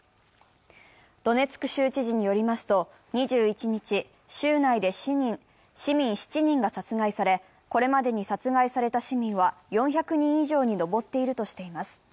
ドネツク州知事によりますと、２１日州内で市民７人が殺害され、これまでに殺害された市民は４００人以上に上っているとしています。